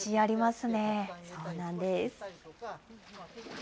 そうなんです。